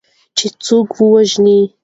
چې څوک ووژني